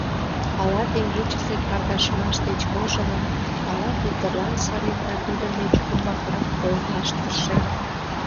Ала теҥгечысе каргашымаш деч вожылын, ала Пӧтырлан сырен да тудын деч умбакырак ойырлаш тыршен.